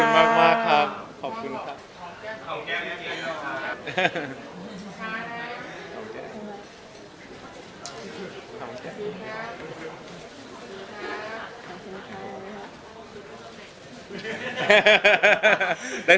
ขอบคุณมากครับขอบคุณครับ